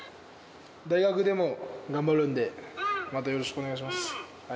大学でも頑張るんで、またよろしくお願いします。